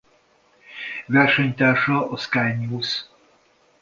Versenytársa a Sky News.